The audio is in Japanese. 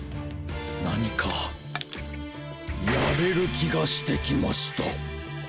なにかやれるきがしてきました！